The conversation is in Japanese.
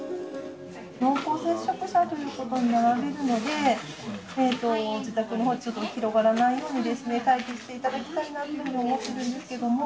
濃厚接触者ということになられるので、自宅のほう、ちょっと広がらないようにですね、待機していただきたいなというふうに思ってるんですけれども。